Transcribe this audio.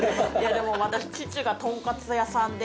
でも私父がトンカツ屋さんで。